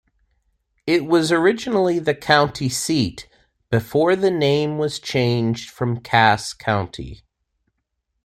It was originally the county seat before the name was changed from Cass County.